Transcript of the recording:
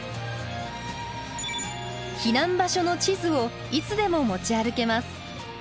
避難場所の地図をいつでも持ち歩けます。